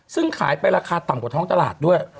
ซึ่งขายไปราคาต่ำกว่าท้องตลาดด้วย